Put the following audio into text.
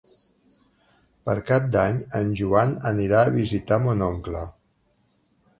Per Cap d'Any en Joan anirà a visitar mon oncle.